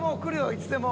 いつでも。